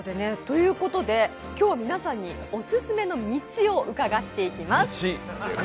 とうことで今日は皆さんにオススメの道を伺っていきます。